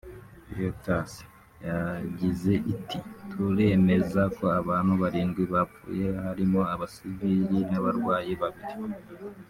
Reuters yagize iti “ Turemeza ko abantu barindwi bapfuye barimo abasivili n’abarwanyi babiri